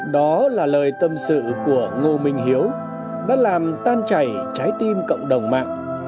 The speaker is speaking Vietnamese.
đó là lời tâm sự của ngô minh hiếu đã làm tan chảy trái tim cộng đồng mạng